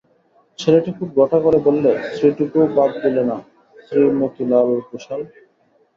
ছেলেটি খুব ঘটা করে বললে, শ্রীটুকুও বাদ দিলে না, শ্রীমোতিলাল ঘোষাল।